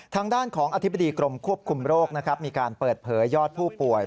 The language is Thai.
ทางด้านของอธิบดีกรมควบคุมโรคนะครับมีการเปิดเผยยอดผู้ป่วย